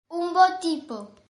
Un bo tipo.